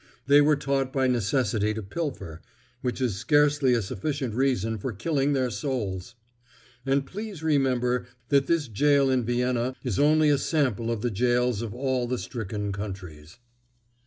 They were taught by necessity to pilfer—which is scarcely a sufficient reason for killing their souls. And please remember that this gaol in Vienna is only a sample of the gaols of all the stricken countries.